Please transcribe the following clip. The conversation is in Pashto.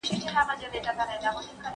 تاریخ د ملتونو د ژوند هنداره ده.